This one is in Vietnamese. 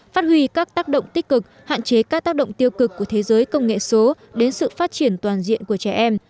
phát huy các tác động tích cực hạn chế các tác động tiêu cực của thế giới công nghệ số đến sự phát triển toàn diện của trẻ em